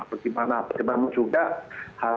bagaimana kita harus memahami kultur dan budaya kita